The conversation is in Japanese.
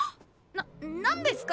な何ですか？